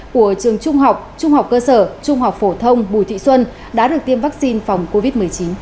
của trường trung học trung học cơ sở trung học phổ thông bùi thị xuân đã được tiêm vaccine phòng covid một mươi chín